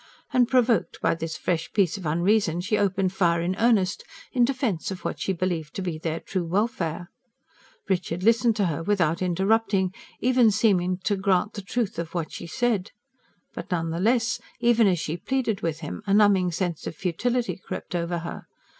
And provoked by this fresh piece of unreason she opened fire in earnest, in defence of what she believed to be their true welfare. Richard listened to her without interrupting; even seemed to grant the truth of what she said. But none the less, even as she pleaded with him, a numbing sense of futility crept over her.